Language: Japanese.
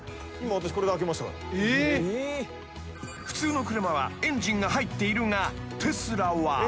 ［普通の車はエンジンが入っているがテスラは］